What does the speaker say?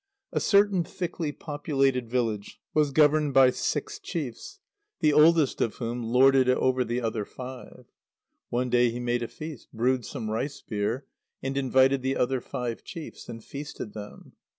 _ A certain thickly populated village was governed by six chiefs, the oldest of whom lorded it over the other five. One day he made a feast, brewed some rice beer, and invited the other five chiefs, and feasted them.